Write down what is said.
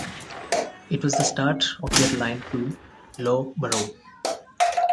It was the start of their line to Loughborough.